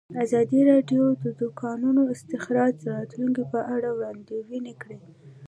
ازادي راډیو د د کانونو استخراج د راتلونکې په اړه وړاندوینې کړې.